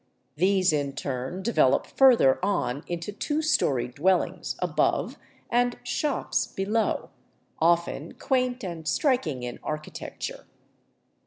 These, in turn, develop further on into two story dwellings above and shops below, often quaint and striking in archi tecture.